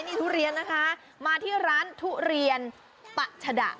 นี่ทุเรียนนะคะมาที่ร้านทุเรียนปัชดะ